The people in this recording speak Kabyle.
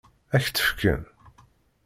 Ad k-tt-fken?